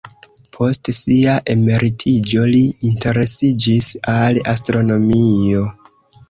Post sia emeritiĝo li interesiĝis al astronomio.